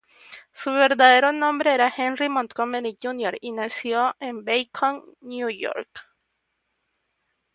Su verdadero nombre era Henry Montgomery Jr., y nació en Beacon, New York.